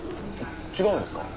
違うんですか？